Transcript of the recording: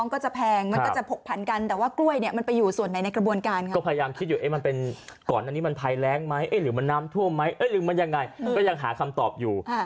เขายังหาคำตอบอยู่